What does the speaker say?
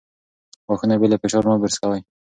غاښونه بې له فشار مه برس کوئ.